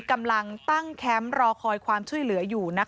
กำลังตั้งแคมป์รอคอยความช่วยเหลืออยู่